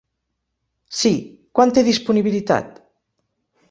Sí, quan té disponibilitat?